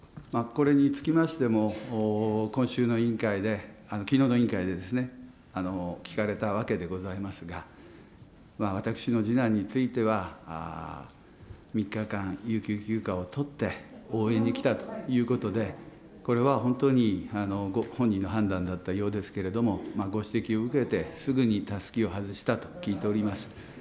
これにつきましても、今週の委員会できのうの委員会で聞かれたわけでございますが、私の次男については、３日間、有給休暇を取って応援に来たということで、これは本当に本人の判断だったわけですけれども、ご指摘を受けてすぐにたすきを外したと聞いております。